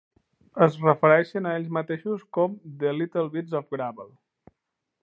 Es refereixen a ells mateixos com "The Little Bits of Gravel".